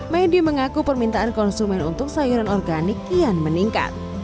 medi mengaku permintaan konsumen untuk sayuran organik kian meningkat